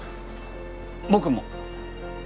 僕も。